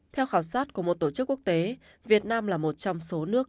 theo khảo sát của một tổ chức quốc tế việt nam là một trong số nước